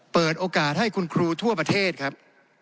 เปิดโอกาสให้คุณครูทั่วประเทศครับ